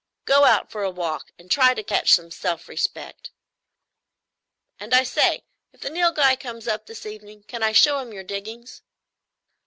Go out for a walk and try to catch some self respect. And, I say, if the Nilghai comes up this evening can I show him your diggings?"